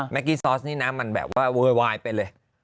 กี้ซอสนี่นะมันแบบว่าโวยวายไปเลย